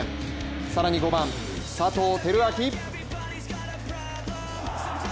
更に５番・佐藤輝明。